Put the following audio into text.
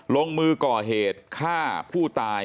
ลงมือก่อเหตุฆ่าผู้ตาย